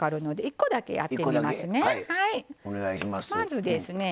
まずですね